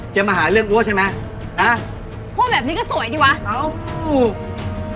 มาหาเรื่องอัวใช่ไหมนะพูดแบบนี้ก็สวยดีวะเอ้า